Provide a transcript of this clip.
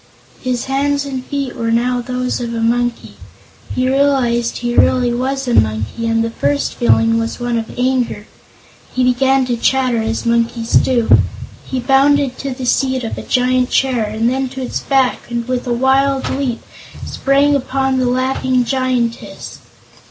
His hands and feet were now those of a monkey. He realized he really was a monkey, and his first feeling was one of anger. He began to chatter as monkeys do. He bounded to the seat of a giant chair, and then to its back and with a wild leap sprang upon the laughing Giantess.